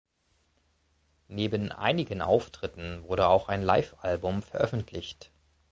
Neben einigen Auftritten wurde auch ein Live-Album veröffentlicht.